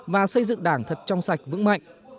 và xây dựng đảng thật trong sạch vững mạnh